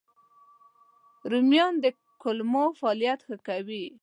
رومیان د کولمو فعالیت ښه کوي